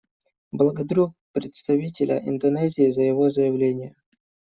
Благодарю представителя Индонезии за его заявление.